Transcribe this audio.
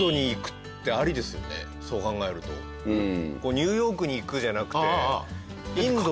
ニューヨークに行くじゃなくてインドに。